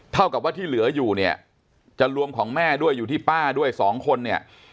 เท่ากับว่าที่เหลืออยู่เนี่ยจะรวมของแม่ด้วยอยู่ที่ป้าด้วยสองคนเนี่ย